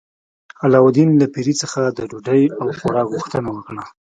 علاوالدین له پیري څخه د ډوډۍ او خوراک غوښتنه وکړه.